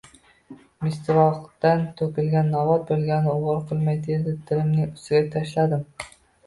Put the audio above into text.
Mistovoqdan to‘kilgan novvot bo‘lagini uvol qilmay, tezda tilimning ustiga tashladim